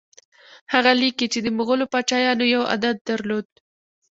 هغه لیکي چې د مغولو پاچایانو یو عادت درلود.